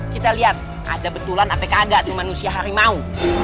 kita liat ada betulan apa kagak tuh manusia harimau